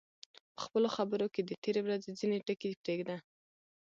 په خپلو خبرو کې د تېرې ورځې ځینې ټکي پرېږده.